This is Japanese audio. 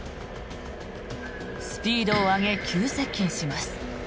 スピードを上げ、急接近します。